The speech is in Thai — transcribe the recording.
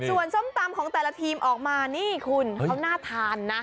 ส่วนส้มตำของแต่ละทีมออกมานี่คุณเขาน่าทานนะ